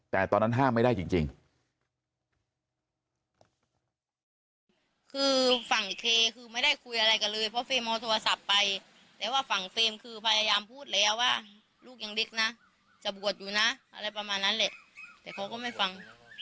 แต่ตอนนั้นห้ามไม่ได้จริง